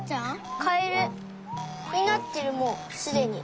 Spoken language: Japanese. カエルになってるもうすでに。